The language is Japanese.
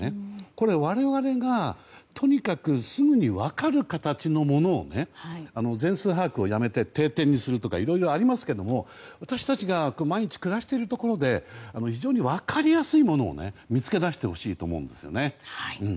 これ我々がすぐに分かる形のものを全数把握をやめて定点にするとかいろいろありますけれども私たちが毎日暮らしているところで分かりやすいものを見つけ出してほしいと思うんですよね。